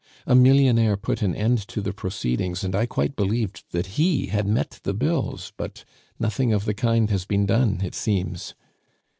A millionaire put an end to the proceedings, and I quite believed that he had met the bills; but nothing of the kind has been done, it seems."